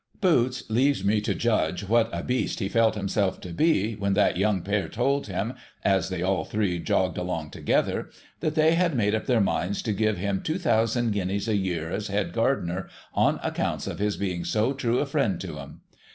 P3oots leaves me to judge what a Beast he felt himself to be, when that young pair told him, as they all three jogged along together, that they had made up their minds to give him two thousand guineas a year as head gardener, on accounts of his being so true a friend to 'em.